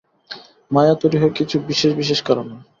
মায়া তৈরি হয় কিছু বিশেষ বিশেষ কারণে।